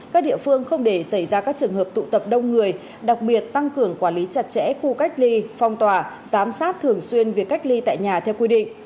các địa phương không để xảy ra các trường hợp tụ tập đông người đặc biệt tăng cường quản lý chặt chẽ khu cách ly phong tỏa giám sát thường xuyên việc cách ly tại nhà theo quy định